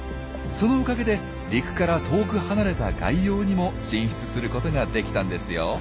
そのおかげで陸から遠く離れた外洋にも進出することができたんですよ。